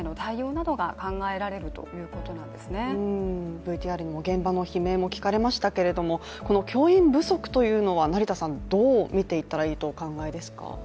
ＶＴＲでも現場の悲鳴も聞かれましたけれども、教員不足というのはどう見ていったらいいとお考えですか？